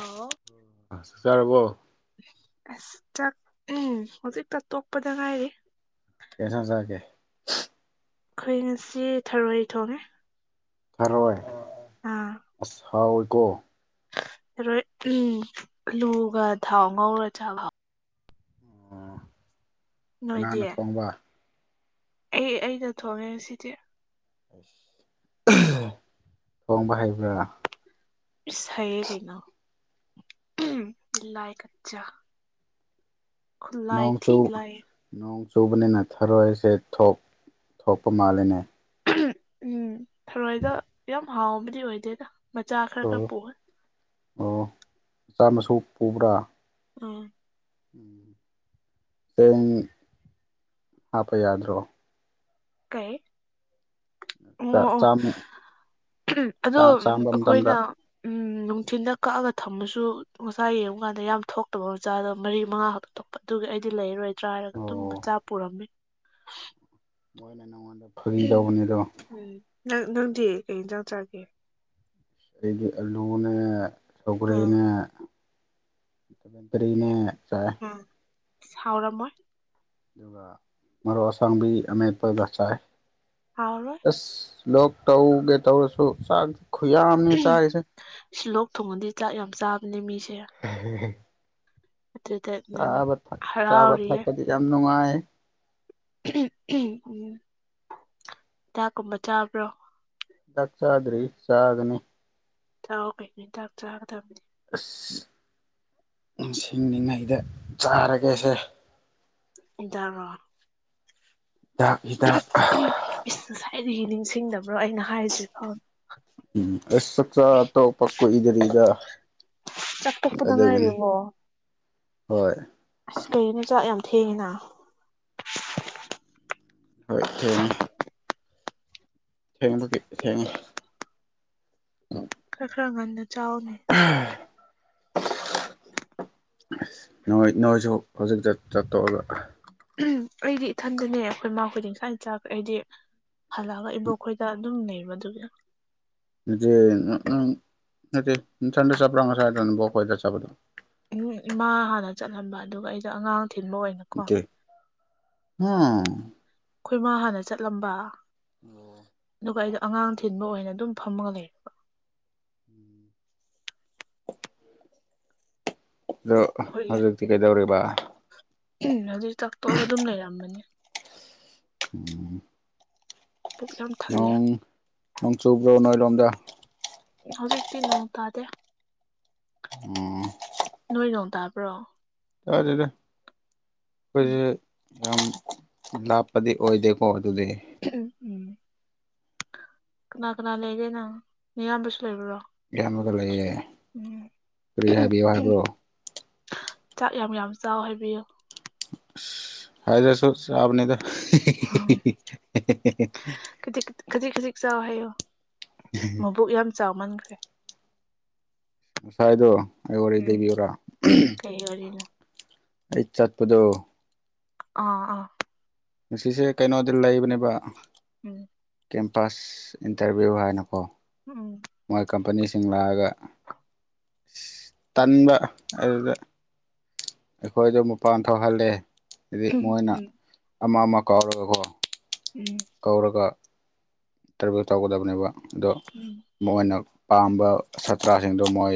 ꯑꯣꯥꯎ ꯑ ꯆꯥꯛ ꯆꯥꯔꯕꯣ ꯑꯁ ꯆꯥꯛ ꯎꯝ ꯍꯧꯖꯤꯛꯇꯥꯛ ꯇꯣꯛꯄꯗ ꯉꯥꯏꯔꯤ꯫ ꯀꯩ ꯏꯟꯁꯥꯡ ꯆꯥꯒꯦ ꯑꯩꯈꯣꯏ ꯉꯁꯤ ꯊꯔꯣꯏ ꯊꯣꯡꯉꯦ ꯊꯔꯣꯏ ꯑꯥ ꯍꯥꯎꯏꯀꯣ ꯍꯔꯣꯏ ꯎꯝ ꯂꯨꯒ ꯊꯥꯎ ꯉꯧꯔ ꯆꯥꯕꯥꯎ ꯑꯣ ꯅꯣꯏꯗꯤ ꯀꯅꯥꯅ ꯊꯣꯡꯕ ꯑꯩ ꯑꯩꯗ ꯊꯣꯛꯣꯡꯉꯦ ꯁꯤꯗꯤ ꯑꯁ ꯊꯣꯡꯕ ꯍꯩꯕ꯭ꯔꯥ ꯍꯩꯌꯦ ꯀꯩꯅꯣ ꯂꯥꯏ ꯀꯆꯥꯥ ꯊꯤ ꯅꯣꯡꯆꯨ ꯂꯥꯏꯌꯦ ꯅꯣꯡ ꯆꯨꯕꯅꯤꯅ ꯊꯔꯣꯏꯁꯦ ꯊꯣꯛꯄ ꯃꯥꯜꯂꯤꯅꯦ ꯎ ꯊꯔꯣꯏꯗ ꯌꯥꯝ ꯍꯥꯎꯕꯗꯤ ꯑꯣꯏꯗꯦꯗ ꯃꯆꯥ ꯈꯔ ꯑꯣ ꯈꯔ ꯄꯣꯛꯑ ꯑꯣ ꯃꯆꯥ ꯃꯁꯨ ꯄꯨꯕ꯭ꯔꯥ ꯎꯝ ꯎꯝ ꯁꯦꯡ ꯍꯥꯞꯄ ꯌꯥꯗ꯭ꯔꯣ ꯀꯩ ꯑꯣ ꯆꯥ ꯑꯣ ꯆꯥꯝꯃ ꯑꯗꯣ ꯆꯥ ꯆꯥꯝꯕ ꯃꯇꯝꯗ ꯑꯈꯣꯏꯅ ꯎꯝ ꯅꯨꯡꯊꯤꯤꯟꯗ ꯀꯛꯑꯒ ꯊꯝꯃꯁꯨ ꯉꯆꯥ ꯌꯦꯡꯉꯨꯀꯥꯟꯗ ꯌꯥꯝ ꯊꯣꯛꯇꯕ ꯃꯆꯥꯗꯣ ꯃꯔꯤ ꯃꯉꯥ ꯈꯛꯇ ꯇꯧ ꯑꯗꯨꯒꯤ ꯑꯩꯗꯤ ꯂꯩꯔꯣꯏꯗ꯭ꯔꯥ ꯍꯥꯏꯔꯒ ꯑꯗꯨꯝ ꯑꯣ ꯃꯆꯥ ꯄꯨꯔꯝꯃꯤ ꯃꯣꯏꯅ ꯅꯪꯉꯣꯟꯗ ꯐꯥꯒꯤ ꯎ ꯇꯧꯕꯅꯤꯗꯣ ꯎꯝ ꯅꯪ ꯅꯪꯗꯤ ꯀꯩ ꯏꯟꯖꯥꯡ ꯆꯒꯦ ꯑꯩꯗꯤ ꯑꯜꯂꯨꯅꯦ ꯑ ꯁꯧꯒ꯭ꯔꯤꯅꯦ ꯇꯔꯤꯅꯦ ꯆ ꯎꯝ ꯁꯥꯎꯔꯝ ꯃꯣꯏ ꯑꯗꯨꯒ ꯃꯔꯣꯛ ꯑꯁꯥꯡꯕꯤ ꯑꯄꯦꯠꯄꯒ ꯆꯥꯏ꯫ ꯍꯥꯎ ꯏꯁ ꯂꯣꯛ ꯇꯧꯒꯦ ꯇꯧꯔꯁꯨ ꯆꯥꯛ ꯈꯨꯌꯥꯝꯅꯦ ꯆꯥꯔꯤꯁꯦ ꯁꯤ ꯂꯣꯛ ꯊꯨꯡꯉꯗꯤ ꯆꯥꯛ ꯌꯥꯝ ꯆꯥꯕꯅꯦ ꯃꯤꯁꯦ ꯎ ꯑꯗꯨꯗ ꯅꯪ ꯆꯥꯕ ꯊꯛ ꯆꯥꯕ ꯍꯔꯥꯎꯔꯤꯌꯦ ꯊꯛꯄꯗꯤ ꯌꯥꯝ ꯅꯨꯡꯉꯥꯏ ꯎꯝ ꯎꯝ ꯍꯤꯗꯥꯛꯀꯨꯝꯕ ꯆꯥꯕ꯭ꯔꯣ ꯆꯥꯛ ꯆꯥꯗ꯭ꯔꯤ ꯆꯥꯒꯅꯤ ꯆꯥꯎꯌꯣ ꯀꯩꯅꯣ ꯆꯥꯛ ꯆꯥꯒꯗꯝꯅꯤ ꯑꯁ ꯅꯤꯡꯁꯤꯡꯅꯤꯉꯩꯗ ꯆꯥꯔꯒꯦꯁꯦ [unintelligible] ꯍꯤꯗꯥꯛ ꯍꯤꯗꯥꯛ ꯏꯁ ꯉꯁꯥꯏꯗꯒꯤ ꯅꯤꯡꯁꯤꯡꯗꯕ꯭ꯔꯣ ꯑꯩꯅ ꯍꯥꯏꯗ꯭ꯔꯤ ꯐꯥꯎ ꯎꯝ ꯑꯁ ꯆꯥꯛꯆꯥ ꯑꯇꯣꯞꯄ ꯀꯨꯏꯗ꯭ꯔꯤꯗ ꯆꯥꯛꯄꯣꯛꯄꯗ ꯉꯥꯏꯔꯤꯕꯔꯤꯕꯣ ꯍꯣꯏ ꯑꯁ ꯀꯩꯅꯣ ꯆꯥꯛ ꯌꯥꯝ ꯊꯦꯡꯉꯤꯅ ꯍꯣꯏ ꯊꯦꯡꯉꯦ ꯊꯦꯡꯕꯒꯤ ꯊꯦꯡꯉꯦ ꯈꯔ ꯈꯔ ꯉꯟꯗ ꯆꯥꯎꯅꯤ ꯎꯝ ꯅꯣꯏ ꯅꯣꯏꯁꯨ ꯍꯧꯖꯤꯛꯇꯛꯇ ꯆꯠꯇꯣꯛꯑꯒ ꯎꯝ ꯑꯩꯗꯤ ꯏꯊꯟꯗꯅꯦ ꯑꯩꯈꯣꯏ ꯃꯥ ꯈꯣꯏꯗꯤ ꯉꯁꯥꯏ ꯆꯥꯈ꯭ꯔꯦ ꯑꯩꯗꯤ ꯍꯜꯂꯛꯑꯒ ꯏꯕꯣꯛꯈꯣꯏꯗ ꯑꯗꯨꯝ ꯂꯩꯕ ꯑꯗꯨꯒꯤ ꯅꯠꯇꯦ ꯎ ꯅꯠꯇ ꯆꯟ ꯆꯥꯄꯔꯉ ꯁꯥꯏꯣꯋꯥꯗ ꯆꯗ ꯎꯝ ꯏꯃꯥ ꯍꯥꯟꯅ ꯆꯠꯍꯟꯕ ꯑꯗꯨꯒ ꯑꯩꯗꯣ ꯑꯉꯥꯡ ꯊꯤꯟꯕ ꯑꯣꯏꯅ ꯗꯦ ꯍꯥ ꯑꯩꯈꯣꯏ ꯃꯥ ꯍꯥꯟꯅ ꯆꯠꯂꯝꯕ ꯑꯣ ꯑꯗꯨꯒ ꯑꯩꯗꯣ ꯑꯉꯥꯡ ꯊꯤꯟꯕ ꯑꯣꯏꯅ ꯑꯗꯨꯝ ꯐꯝꯃꯒ ꯂꯩꯔ ꯑꯗꯣ ꯍꯧꯖꯤꯛꯇꯤ ꯀꯩꯗꯧꯔꯤꯕ ꯎꯝ ꯑꯗꯨ ꯇꯥꯛꯊꯣꯛꯑꯒ ꯑꯗꯨꯝ ꯂꯩꯔꯝꯕꯅꯤ ꯎꯝ ꯄꯨꯛ ꯌꯥꯝ ꯊꯜꯂꯦ ꯅꯣꯡ ꯅꯣꯡ ꯆꯨꯕ꯭ꯔꯣ ꯅꯣꯏ ꯂꯣꯝꯗ ꯍꯧꯖꯤꯛꯇꯤ ꯅꯣꯡ ꯇꯥꯗꯦ ꯎꯝ ꯅꯣꯏ ꯅꯣꯡ ꯇꯥꯕ꯭ꯔꯣ ꯇ ꯑꯗꯨꯗ ꯎꯝ ꯍꯧꯁꯨ ꯌꯥꯝ ꯂꯥꯞꯄꯗꯤ ꯑꯣꯏꯗꯦꯀꯣ ꯑꯗꯨꯗꯤ ꯝ ꯎꯝ ꯀꯅꯥ ꯀꯅꯥ ꯂꯩꯒꯦ ꯅꯪ ꯃꯤꯌꯥꯝꯕꯁꯨ ꯂꯩꯕ꯭ꯔꯣ ꯌꯥꯝꯃꯒ ꯂꯩꯔꯦ ꯎꯝ ꯀꯔꯤꯌꯥꯕꯤ ꯋꯥꯕ꯭ꯔꯣ ꯆꯥꯛ ꯌꯥꯝ ꯌꯥꯝ ꯆꯥꯎ ꯍꯥꯏꯕꯤꯌꯨ ꯍꯥꯏꯗꯁꯨꯣ ꯁꯥꯕꯅꯤꯗ ꯈꯖꯤꯛ ꯈꯖꯤꯛ ꯆꯥꯎ ꯍꯥꯏꯌꯣ ꯃꯕꯨꯛ ꯌꯥꯝ ꯆꯥꯎꯃꯟꯈ꯭ꯔꯦ ꯉꯁꯥꯏꯗꯣ ꯑꯩ ꯋꯥꯔꯤ ꯂꯩꯕꯤꯌꯔꯥ ꯋꯥꯔꯤ ꯑꯩ ꯆꯠꯄꯗꯣ ꯑꯥ ꯑꯥ ꯉꯁꯦ ꯀꯩꯅꯣꯗꯤ ꯂꯩꯕꯅꯦꯕ ꯎꯝ ꯀꯦꯝꯄꯁ ꯏꯟꯇꯔꯚꯤꯌꯨ ꯍꯥꯏꯅꯀꯣ ꯎꯝ ꯃꯣꯏ ꯀꯝꯄꯅꯤꯁꯤꯡ ꯂꯥꯛꯑꯒ ꯑ ꯇꯟꯕ ꯑꯗꯨꯗ ꯑꯩꯈꯣꯏꯗ ꯃꯄꯥꯟ ꯊꯣꯛꯍꯜꯂꯦ ꯍꯥꯏꯗꯤ ꯎꯝ ꯃꯣꯏꯅ ꯎꯝ ꯑꯃ ꯑꯃ ꯀꯥꯎꯔꯒꯀꯣ ꯎꯝ ꯀꯧꯔꯒ ꯇ꯭ꯔꯦꯚꯦꯜ ꯇꯧꯒꯗꯕꯅꯦꯕ ꯑꯗꯣ ꯎꯝ ꯃꯣꯏꯅ ꯄꯥꯝꯕ ꯁꯥꯠꯇ꯭ꯔꯁꯤꯡꯗꯣ ꯃꯣꯏ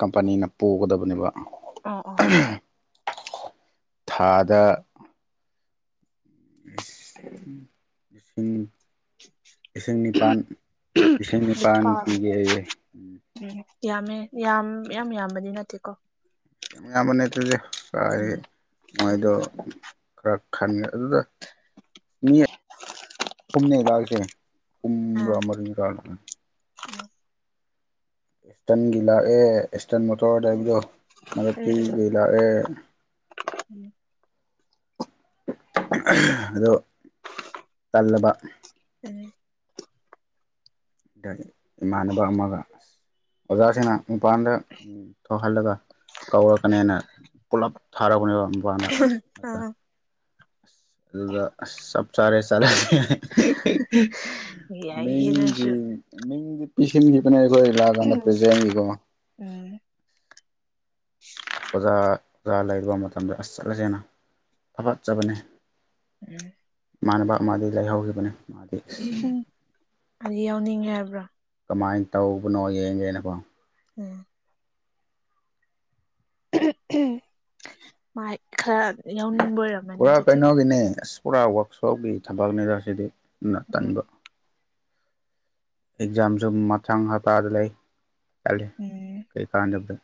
ꯀꯝꯄꯅꯤꯅ ꯄꯨꯒꯗꯕꯅꯦꯕ ꯑꯣ ꯑꯣ ꯊꯥꯗ ꯏꯁꯤꯡꯅꯤ ꯏꯁꯤꯡ ꯅꯤꯄꯥꯜ ꯏꯁꯤꯡ ꯅꯤꯄꯥꯜ ꯄꯤꯒꯦ ꯑꯩꯦ ꯎꯝ ꯎꯝ ꯌꯥꯝꯃꯦ ꯌꯥꯝ ꯌꯥꯝ ꯌꯥꯝꯕꯗꯤ ꯅꯠꯇꯦꯀꯣ ꯌꯥꯝ ꯑꯌꯥꯝꯕ ꯅꯠꯇꯗꯤꯗꯤ ꯎꯝ ꯃꯣꯏꯗꯣ ꯈꯔ ꯈꯟꯒ꯭ꯔꯦ ꯑꯗꯨꯗ ꯃꯤ ꯀꯨꯝꯅꯤ ꯂꯥꯜꯁꯦ ꯑꯥ ꯀꯔꯃꯔ ꯑꯦꯁꯇꯔꯟꯒꯤ ꯂꯥꯛꯑꯦ ꯑꯦꯁꯇꯟ ꯃꯣꯇꯣꯔꯗ ꯎꯝ ꯍꯥꯏꯕꯗꯣ ꯎꯝ ꯃꯔꯇꯤꯒꯤ ꯂꯥꯛꯑꯦ ꯎꯝ ꯑꯗꯣ ꯇꯜꯂꯕ ꯎꯝ ꯑ ꯏꯃꯥꯟꯅꯕ ꯑꯃꯒ ꯑꯣꯖꯥꯁꯤꯅ ꯃꯄꯥꯟꯗ ꯊꯣꯛꯍꯜꯂꯒ ꯀꯧꯔꯛꯀꯅꯦꯅ ꯄꯨꯂꯞ ꯊꯥꯔꯛꯄꯅꯦꯕ ꯃꯄꯥꯟꯗ ꯑꯥ ꯑꯗꯨꯗ ꯁꯞ ꯁꯔꯦ ꯆꯂꯦ ꯌꯥꯏꯍꯦ ꯅꯪꯁꯨ ꯃꯤꯒꯤ ꯃꯤꯗꯤ ꯄꯤꯁꯤꯟꯈꯤꯕꯅꯦ ꯑꯩꯈꯣꯏ ꯂꯥꯛꯑꯀꯥꯟꯗ ꯄ꯭ꯔꯖꯦꯟꯒꯤꯀꯣ ꯎꯝ ꯑꯣꯖꯥ ꯑꯣꯖꯥ ꯂꯩꯔꯨꯕ ꯃꯇꯝꯗ ꯑꯁ ꯆꯠꯂꯁꯦꯅ ꯊꯒꯠꯆꯕꯅꯤ ꯎꯝ ꯏꯃꯥꯟꯅꯕ ꯃꯥꯗꯤ ꯂꯩꯍꯧꯈꯤꯕꯅꯤ ꯃꯥꯗꯤ ꯍꯥꯏꯗꯤ ꯌꯥꯎꯅꯤꯡꯉꯦ ꯍꯥꯏꯕ꯭ꯔꯥ ꯀꯃꯥꯏꯅ ꯇꯧꯕꯅꯣ ꯌꯦꯡꯒꯦꯅꯀꯣ ꯎꯝ ꯃꯥꯥꯏ ꯈꯔ ꯌꯥꯎꯅꯤꯡꯕ ꯑꯣꯏꯔꯝꯃꯅꯤ ꯑꯗꯨꯗꯤ ꯃꯥꯒꯤꯅꯦ ꯑꯁ ꯄꯨꯔꯥ ꯋꯥꯛꯁꯣꯞꯀꯤ ꯊꯕꯛꯅꯤꯗ ꯁꯤꯗꯤ ꯎꯝ ꯇꯟꯕ ꯑꯦꯛꯖꯥꯝꯁꯨ ꯃꯊꯥꯡ ꯍꯞꯇꯥꯗ ꯂꯩ ꯆꯠꯂ ꯎꯝ ꯀꯔꯤ ꯀꯥꯟꯗꯕꯗ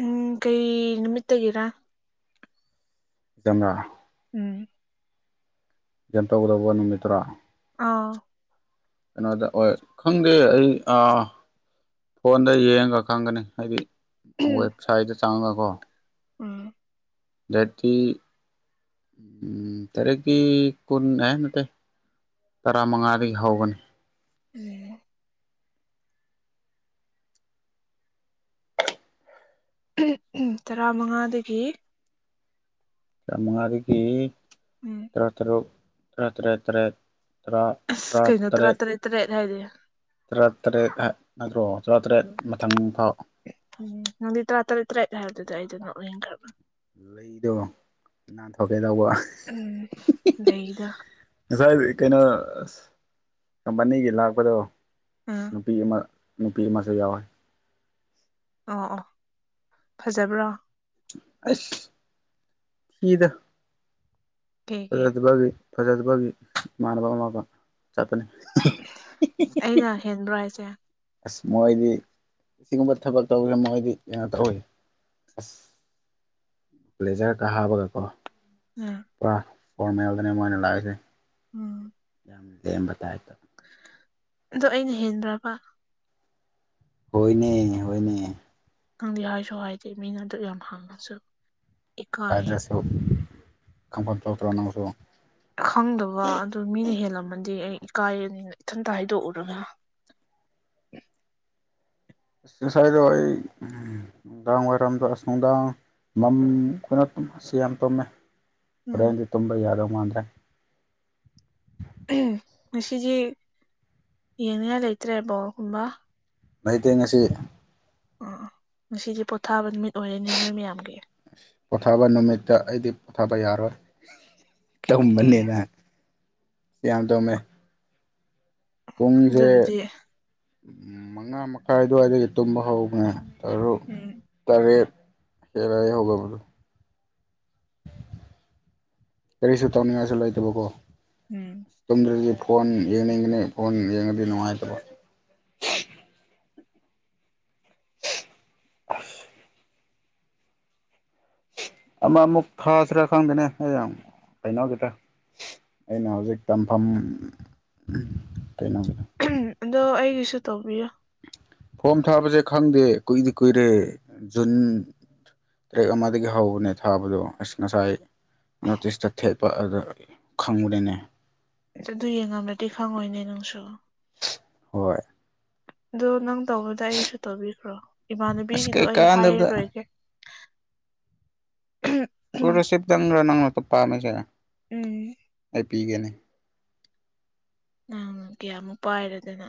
ꯎꯝ ꯀꯩ ꯅꯨꯃꯤꯠꯇꯒꯤꯔꯥ ꯑꯗꯨꯅ ꯎꯝ ꯒꯟ ꯇꯧꯒꯗꯧꯕ ꯅꯨꯃꯤꯠꯇꯔꯥ ꯑꯥ ꯀꯩꯅꯣꯗ ꯍꯣꯏ ꯈꯪꯗꯦ ꯑꯩ ꯐꯣꯟꯗ ꯌꯦꯡꯒ ꯈꯪꯒꯅꯤ ꯍꯥꯏꯗꯤ ꯋꯦꯕꯁꯥꯏꯠꯇ ꯆꯪꯉꯒꯀꯣ ꯎꯝ ꯌꯥꯇꯤ ꯎ ꯇꯔꯦꯀꯤ ꯀꯟ ꯍꯥꯏ ꯅꯠꯇ ꯇꯔꯥꯃꯉꯥꯗꯒꯤ ꯍꯧꯒꯅꯤ ꯎꯝ ꯇꯔꯥꯃꯉꯥꯗꯒꯤ ꯆꯃꯉꯔꯤꯒꯤ ꯎꯝ ꯇꯔꯨꯛ ꯇꯔꯨꯛ ꯇꯔꯦꯠ ꯇꯔꯦꯠ ꯇꯔꯦꯠ ꯇꯔꯥ ꯑꯁ ꯀꯩꯅꯣ ꯇꯔꯥ ꯇꯔꯦꯠ ꯇꯔꯦꯠ ꯍꯥꯏꯔ ꯇꯔꯥ ꯇꯔꯦꯠ ꯅꯠꯇ꯭ꯔꯣ ꯇꯔꯥꯇꯔꯦꯠ ꯃꯊꯪ ꯐꯥꯎ ꯎꯝ ꯅꯪꯗꯤ ꯇꯔꯥ ꯇꯔꯦꯠ ꯇꯔꯦꯠ ꯍꯥꯏꯕꯗꯨꯗꯤ ꯑꯩꯗ ꯅꯣꯛ ꯌꯦꯡꯈ꯭ꯔꯕ꯭ꯔꯥ ꯂꯩꯗꯣ ꯅꯥꯟꯊꯣꯛꯀꯦ ꯇꯧꯕ ꯎꯝ ꯂꯩꯗ ꯉꯁꯥꯏ ꯀꯩꯅꯣ ꯀꯝꯄꯅꯤꯒꯤ ꯂꯥꯛꯄꯗꯣ ꯑ ꯅꯨꯄꯤ ꯑꯃ ꯅꯨꯄꯤ ꯑꯃꯁꯨ ꯌꯥꯎꯋꯦ ꯑꯣ ꯑꯣ ꯐꯖꯕ꯭ꯔꯣ ꯑꯁ ꯍꯤꯗ ꯀꯩꯒꯤ ꯐꯖꯗꯕꯒꯤ ꯐꯖꯗꯕꯒꯤ ꯏꯃꯥꯟꯅꯕ ꯑꯃꯒ ꯆꯠꯄꯅꯤ ꯑꯩꯅ ꯍꯦꯟꯕ꯭ꯔꯣ ꯍꯥꯏꯁꯦ ꯑꯁ ꯃꯣꯏꯗꯤ ꯑꯁꯤꯒꯨꯝꯕ ꯊꯕꯛ ꯇꯧꯕꯁꯦ ꯃꯣꯏꯗꯤ ꯌꯥꯝ ꯇꯧꯋꯤ ꯂ꯭ꯂꯦꯖꯔ ꯀꯥ ꯍꯥꯕꯒꯀꯣ ꯎꯝ ꯄꯨꯔꯥ ꯐꯣꯔꯃꯦꯜꯗꯅꯦ ꯃꯣꯏꯅ ꯂꯥꯛꯏꯁꯦ ꯎꯝ ꯌꯥꯝ ꯂꯩꯦꯝꯕꯇꯥꯑ ꯇ ꯑꯣ ꯑꯩꯅ ꯍꯦꯟꯗ꯭ꯔꯕ ꯍꯣꯏꯅꯦ ꯍꯣꯏꯅꯦ ꯈꯪꯗ ꯍꯥꯏꯁꯨ ꯍꯥꯏꯗꯤꯦ ꯃꯤꯅ ꯑꯗꯨ ꯌꯥꯝ ꯍꯥꯡꯉꯁꯨ ꯏꯀꯥꯏꯌꯦ ꯈꯝꯐꯥ ꯆꯧꯇꯔꯣ ꯅꯅꯥꯁꯨ ꯈꯪꯗꯕ ꯑꯗꯨ ꯃꯤꯅ ꯍꯦꯜꯂꯝꯃꯗꯤ ꯑꯩ ꯏꯀꯥꯏꯅꯤꯅ ꯏꯊꯟꯇ ꯍꯥꯏꯗꯣꯛꯎꯔꯒ ꯑꯦꯛꯁꯔꯁꯥꯏꯖ ꯑꯣꯏꯣꯏ ꯅꯨꯡꯗꯥꯡ ꯋꯥꯏꯔꯝꯗꯣ ꯑꯁ ꯅꯨꯡꯗꯥꯡ ꯃꯝ ꯑꯩꯈꯣꯏꯅ ꯇꯨꯝꯁ ꯌꯥꯝ ꯇꯨꯝꯃꯦ ꯎꯝ ꯍꯨꯔꯦꯟꯗꯤ ꯇꯨꯝꯝꯕ ꯌꯥꯗ ꯃꯥꯥꯟꯗ꯭ꯔꯦ ꯉꯁꯤꯗꯤ ꯌꯦꯡꯅꯤꯡꯉꯥꯏ ꯂꯩꯇ꯭ꯔꯦ ꯕꯣꯒꯨꯝꯕ ꯃꯩꯇꯩꯦꯡ ꯑꯁꯤ ꯑ ꯉꯁꯤꯗꯤ ꯄꯣꯊꯥꯕ ꯅꯨꯃꯤꯠ ꯑꯣꯏꯔꯤꯦꯅꯦ ꯅꯣꯏ ꯃꯌꯥꯝꯒꯤ ꯄꯣꯊꯥꯕ ꯅꯨꯃꯤꯠꯇ ꯑꯩꯗꯤ ꯄꯣꯊꯥꯕ ꯌꯥꯔꯣꯏ ꯑꯦ ꯇꯝꯕꯅꯤꯅ ꯁꯤ ꯌꯥꯝ ꯇꯧꯃꯦ ꯄꯨꯡꯁꯦ ꯑꯗꯨꯕꯨꯗꯤ ꯃꯉꯥ ꯃꯈꯥꯏ ꯑꯗꯨꯋꯥꯏꯗꯒꯤ ꯇꯨꯝꯕ ꯍꯧꯈ꯭ꯔꯦ ꯇꯔꯨꯛ ꯎꯝ ꯇꯔꯦꯠ ꯍꯦꯔꯔ ꯍꯒ ꯃꯗꯨꯣ ꯀꯔꯤꯁꯨ ꯇꯧꯅꯤꯡꯉꯥꯏꯁꯨ ꯂꯩꯇꯕ ꯀꯣ ꯎꯝ ꯃꯇꯝꯨꯝꯗꯗꯤ ꯐꯣꯟ ꯌꯦꯡꯒꯅꯤ ꯐꯣꯟ ꯌꯦꯡ ꯑꯗꯨꯗꯗꯤ ꯅꯨꯡꯉꯥꯏꯇꯕꯣ ꯑꯁ ꯑꯃ ꯑꯃꯨꯛ ꯊꯥꯁꯤꯔꯥ ꯈꯪꯗꯦꯅꯦ ꯑꯩ ꯌꯥꯝ ꯀꯩꯅꯧꯒꯤꯈꯤꯗ ꯑꯩꯅ ꯍꯧꯖꯤꯛ ꯇꯝꯐꯝ ꯀꯩꯅꯣꯗ ꯑꯗꯣ ꯑꯩꯒꯤꯁꯨ ꯇꯧꯕꯤꯌꯨ ꯐꯣꯝ ꯊꯥꯕꯁꯦ ꯈꯪꯗꯦ ꯀꯨꯏꯗꯤ ꯀꯨꯏꯔꯦ ꯖꯨꯟ ꯇꯔꯦꯠ ꯑꯃꯗꯒꯤ ꯍꯧꯕꯅꯦ ꯊꯥꯕꯗꯣ ꯑꯁ ꯉꯁꯥꯏ ꯅꯣꯔꯠ ꯏꯁꯇ ꯊꯦꯠꯄ ꯑꯗꯨ ꯈꯪꯕꯔꯤꯅꯦ ꯑꯗꯨ ꯌꯦꯡꯉꯝꯂꯗꯤ ꯈꯪꯉꯣꯏꯅꯦ ꯅꯪꯁꯨ ꯍꯣꯏ ꯑꯗ ꯅꯪ ꯇꯧꯕꯗ ꯑꯩꯁꯨ ꯇꯧꯕꯤꯈ꯭ꯔꯣ ꯑꯁ ꯏꯃꯥꯟꯅꯕꯤꯒꯤꯗꯣ ꯀꯩ ꯑꯩ ꯀꯥꯟꯗꯕꯗ ꯍꯥꯏꯔꯔꯣꯏꯒꯦ ꯎꯝ ꯀꯔꯣꯁꯤꯞ ꯗꯪ ꯅꯪꯅ ꯇ ꯄꯥꯝꯃꯦ ꯎꯝ ꯑꯩ ꯄꯤꯒꯅꯤ ꯅꯪ ꯀꯌꯥꯃꯨꯛ ꯄꯥꯏꯔꯦꯗꯅ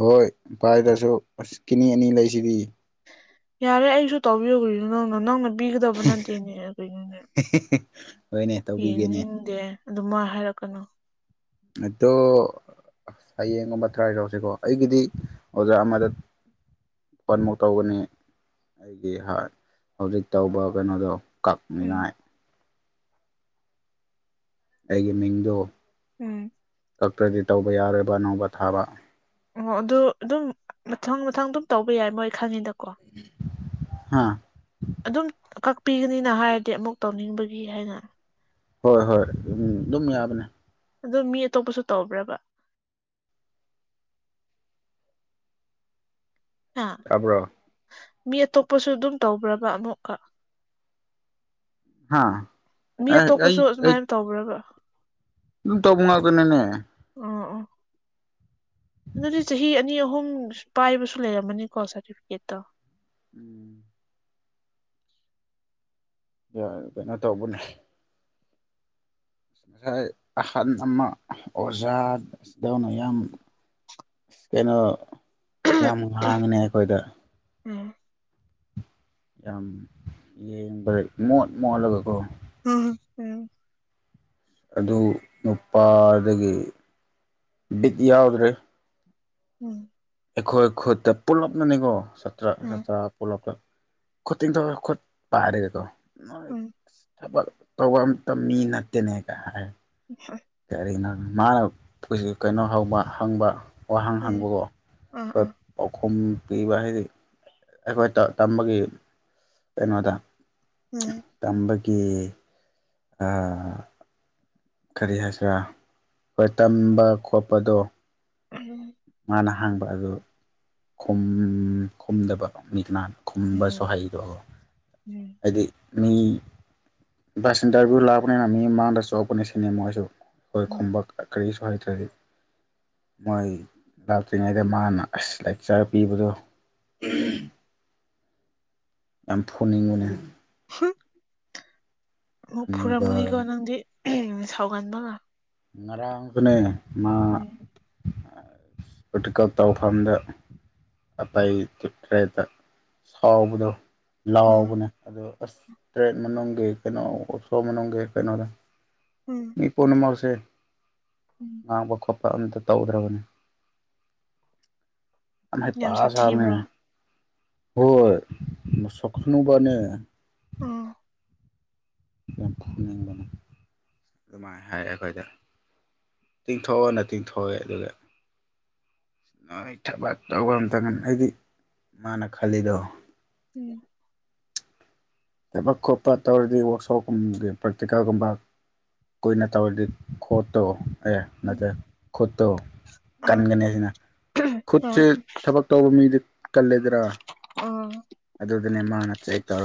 ꯍꯣꯏ ꯚꯥꯏꯗꯁꯨ ꯑꯁ ꯀꯤꯅꯤ ꯑꯅꯤ ꯂꯩꯁꯤꯗꯤ ꯌꯥꯔꯦ ꯑꯩꯁꯨ ꯇꯧꯕꯤꯨꯈꯔꯤꯗ ꯅꯪꯅ ꯅꯪꯅ ꯄꯤꯒꯗꯧꯕ ꯅꯗꯦꯅꯦ ꯀꯅꯦ ꯍꯣꯏꯅꯦ ꯇꯧꯕꯤꯒꯦꯅꯦ ꯌꯦꯡꯅꯤꯡꯗꯦ ꯑꯗꯨ ꯃꯥ ꯍꯥꯏꯔꯛꯀꯅꯨ ꯑꯩꯠꯇꯣ ꯑꯁ ꯍꯌꯦꯡꯒꯨꯝꯕ ꯇ꯭ꯔꯥꯏ ꯇꯧꯁꯤꯀꯣ ꯑꯩꯒꯤꯗꯤ ꯑꯣꯖꯥ ꯑꯃꯗ ꯄꯟꯃꯨꯛ ꯇꯧꯒꯅꯤ ꯑꯩꯒꯤ ꯍꯧꯖꯤꯛ ꯇꯧꯕ ꯀꯩꯅꯣꯗꯣ ꯎꯝ ꯀꯛꯅꯤꯡꯉꯥꯏ ꯑꯩꯒꯤ ꯃꯤꯡꯗꯨ ꯎꯝ ꯀꯛꯇ꯭ꯔꯗꯤ ꯇꯧꯕ ꯌꯥꯔꯣꯏꯕ ꯑꯅꯧꯕ ꯊꯥꯕ ꯑꯣ ꯑꯗꯨ ꯑꯗꯨꯝ ꯃꯊꯪ ꯃꯊꯪ ꯑꯗꯨꯝ ꯇꯧꯕ ꯌꯥꯏ ꯃꯣꯏ ꯈꯪꯉꯤꯗꯀꯣ ꯍꯥꯥ ꯑꯗꯨꯝ ꯀꯛꯄꯤꯒꯅꯤꯅ ꯍꯥꯏꯔꯗꯤ ꯑꯃꯨꯛ ꯇꯧꯅꯤꯡꯕꯒꯤ ꯍꯥꯏꯅ ꯍꯣꯏ ꯍꯣꯏ ꯎꯝ ꯑꯗꯨꯝ ꯌꯥꯕꯅꯦ ꯑꯗꯣ ꯃꯤ ꯑꯇꯣꯞꯄꯁꯨ ꯇꯧꯕ꯭ꯔꯕ ꯍꯥ ꯇꯥꯕ꯭ꯔꯣ ꯃꯤ ꯑꯇꯣꯞꯄꯁꯨ ꯑꯗꯨꯝ ꯇꯧꯕ꯭ꯔꯕ ꯑꯃꯨꯛꯀ ꯍꯥꯥ ꯃꯤ ꯑꯇꯣꯞꯄꯁꯨ ꯑꯗꯨꯃꯥꯏꯅ ꯇꯧꯕ꯭ꯔꯕ ꯅꯗꯨꯝ ꯇꯧꯕ ꯉꯥꯛꯇꯅꯤꯅꯦ ꯎꯝ ꯑ ꯑꯗꯨꯗꯤ ꯆꯍꯤ ꯑꯅꯤ ꯑꯍꯨꯝ ꯄꯥꯏꯕꯁꯨ ꯂꯩꯔꯝꯃꯅꯤꯀꯣ ꯁꯥꯔꯇꯤꯐꯤꯀꯦꯠꯇꯣ ꯎꯝ ꯌꯥ ꯀꯩꯅꯣ ꯇꯧꯕꯅꯦ ꯉꯁꯥꯏ ꯑꯍꯟ ꯑꯃ ꯑꯣꯖꯥꯗꯧꯅ ꯌꯥꯝ ꯑ ꯀꯩꯅꯣ ꯌꯥꯝ ꯍꯥꯡꯅꯦ ꯑꯩꯈꯣꯏꯗ ꯎꯝ ꯌꯥꯝ ꯌꯦꯡꯕꯗ ꯃꯣꯠ ꯃꯣꯠꯂꯒꯀꯣ ꯎꯝ ꯎꯝ ꯑꯗꯨ ꯅꯨꯄꯥꯗꯒꯤ ꯕꯤꯠ ꯌꯥꯎꯗ꯭ꯔꯦ ꯎꯝ ꯑꯩꯈꯣꯏ ꯈꯨꯠꯇ ꯄꯨꯂꯞꯅꯅꯤꯀꯣꯇ꯭ꯔ ꯎꯝ ꯁꯥꯇ꯭ꯔ ꯂꯞ ꯈꯣꯠꯇꯤꯡꯣꯠꯄꯥꯏ ꯍꯥꯏꯔꯒꯦꯀꯣꯣꯏ ꯎꯝ ꯊꯕꯛ ꯇꯧꯕ ꯑꯝꯇ ꯃꯤ ꯅꯠꯇꯦꯅꯦꯒ ꯍꯥꯏ [unintelligible] ꯀꯔꯤꯅꯣ ꯃꯥꯅ ꯄꯨ ꯀꯩꯅꯣ ꯍꯧꯕ ꯍꯪꯕ ꯋꯥꯍꯪ ꯎꯝ ꯍꯪꯕꯒ‌ꯣ ꯑꯥ ꯑꯥ [inaudible] ꯄꯥꯎꯈꯨꯝ ꯄꯤꯕ ꯍꯥꯏꯗꯤ ꯑꯩꯈꯣꯏ ꯇꯝ ꯇꯝꯕꯒꯤ ꯀꯩꯅꯣꯗ ꯎꯝ ꯇꯝꯕꯒꯤ ꯑꯥ ꯀꯔꯤ ꯍꯥꯏꯁꯤꯔꯥ ꯍ‌ꯣꯏ ꯇꯝꯕ ꯈꯣꯠꯄꯗꯣ [unintelligible] ꯃꯥꯅ ꯍꯥꯡꯕ ꯑꯗꯨ ꯈꯨꯝ ꯈꯨꯝꯗꯕ ꯃꯤ ꯀꯅꯥ ꯎꯝ ꯈꯨꯝꯕꯁꯨ ꯍꯩꯔ‌ꯣ ꯎꯝ ꯍꯥꯏꯗꯤ ꯃꯤ ꯕꯁ [unintelligible] ꯁꯟꯇꯔꯕꯨ ꯂꯥꯛꯕꯅꯤꯅ ꯃꯤ ꯃꯥꯥꯡꯗ ꯆ‌ꯣꯟꯀꯅꯤ ꯁꯤꯅꯦ ꯃ‌ꯣꯏꯁꯨ ꯎꯝ ꯑꯩꯈꯣꯏ ꯎꯝ ꯈꯨꯝꯕ ꯀꯔꯤꯁꯨ ꯍꯥꯏꯗ꯭ꯔ‌ꯦ ꯑꯩ ꯃꯣꯏ ꯂꯥꯛꯇ꯭ꯔꯤꯉꯩꯗ ꯃꯥꯅ ꯑꯁ ꯂꯩ ꯆꯥꯔ ꯄꯤꯕꯗꯣ ꯎꯝ ꯌꯥꯝ ꯐꯣꯅꯤꯡꯕꯅ‌ꯦ [unintelligible] ꯑꯃꯨꯛ ꯍꯟꯅꯨꯕ ꯐꯨꯔꯝꯂꯤꯀꯣ ꯅꯪꯗꯤ ꯁꯥꯎꯒꯟꯕ ꯉꯥꯛ ꯉꯔꯥꯡꯁꯨꯅ‌ꯦ ꯃꯥ ꯎꯝ ꯄ꯭ꯔꯥꯛꯇꯤꯀ‌ꯜ ꯇꯧꯐꯝꯗ ꯑꯇꯩ ꯊ ꯊ‌ꯦꯠꯈ꯭ꯔꯦꯗ ꯁꯥꯎꯕꯗꯣ ꯎꯝ ꯂꯥꯎꯕꯅꯦ ꯑꯗꯨꯗ ꯑꯁ ꯇꯔꯦꯠ ꯃꯅꯨꯡꯒꯤ ꯀꯩꯅꯣ ꯑꯣꯁꯣ ꯃꯅꯨꯡꯒꯤ ꯀꯩꯅꯣ ꯎꯝ ꯃꯤ ꯄꯨꯅꯃꯛꯁ‌ꯦ ꯎꯝ ꯉꯥꯡꯕ ꯈꯣꯠꯄ ꯑꯝꯇ ꯇꯧꯗ꯭ꯔꯕꯅꯤ ꯑꯝ ꯍꯩꯄꯥ ꯌꯥꯝ ꯁꯥꯕꯅ‌ꯦ ꯁꯥꯊꯤꯕ꯭ꯔꯣ ꯍꯣꯏ ꯃꯁꯛ ꯍꯅꯨꯕꯅꯦ ꯑꯣ ꯌꯥꯝ ꯐꯨꯅꯤꯡꯕꯅ‌ꯦ ꯑꯗꯨꯃꯥꯏꯅ ꯍꯥꯏꯔꯦ ꯑꯩꯈꯣꯏꯗ ꯇꯤꯡꯊꯣꯛꯑꯣꯅ ꯇꯤꯡꯊꯣꯛꯑꯦ ꯑꯗꯨꯒ ꯅꯣꯏ ꯊꯕꯛ ꯇꯧꯕꯝꯇꯪꯒ ꯑꯩꯒꯤ ꯃꯥꯅ ꯈꯜꯂꯤꯗꯣ ꯎꯝ ꯊꯕꯛ ꯈꯣꯠꯄ ꯇꯧꯔꯗꯤ ꯋꯥꯛꯁꯣꯞꯀꯨꯝꯕꯒꯤ ꯄ꯭ꯔꯦꯇꯤꯀꯥꯒꯨꯝꯕ ꯀꯨꯏꯅ ꯇꯧꯔꯗꯤ ꯈꯣꯠꯇꯣ ꯑꯦ ꯎꯝ ꯅꯠꯇ꯭ꯔꯦ ꯈꯨꯠꯇꯣ ꯑꯥ ꯀꯟꯒꯅꯤ ꯁꯤꯅ ꯈꯨꯠꯁꯦ ꯑꯥ ꯊꯕꯛ ꯇꯧꯕ ꯃꯤꯗꯨ ꯀꯜꯂꯗ꯭ꯔꯥ ꯑꯥ ꯑꯗꯨꯗꯅꯦ ꯃꯥꯅ ꯆꯦꯛ ꯍꯦꯛ ꯇꯧꯔꯒ